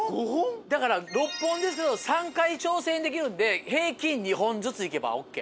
だから６本ですけど３回挑戦できるんで平均２本ずついけばＯＫ。